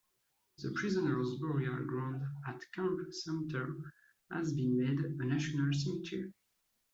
The prisoners' burial ground at Camp Sumter has been made a national cemetery.